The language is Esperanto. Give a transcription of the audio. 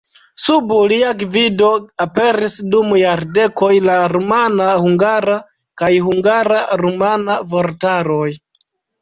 Sub lia gvido aperis dum jardekoj la rumana-hungara kaj hungara-rumana vortaroj.